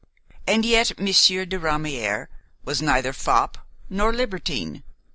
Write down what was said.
And yet Monsieur de Ramière was neither fop nor libertine.